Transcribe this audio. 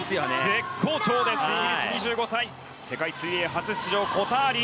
絶好調ですイギリス、２５歳世界水泳初出場のコターリ。